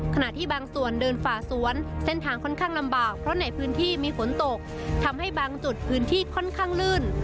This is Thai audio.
ขณะที่บางส่วนเดินฝ่าสวนเส้นทางค่อนข้างลำบากเพราะในพื้นที่มีฝนตกทำให้บางจุดพื้นที่ค่อนข้างลื่น